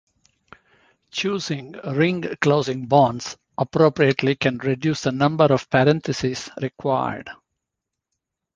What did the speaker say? Choosing ring-closing bonds appropriately can reduce the number of parentheses required.